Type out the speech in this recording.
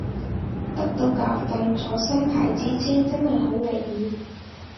得到教訓，坐新牌子車真係好危險